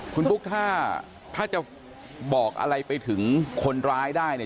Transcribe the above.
คุณปุ๊กถ้าถ้าจะบอกอะไรไปถึงคนร้ายได้เนี่ย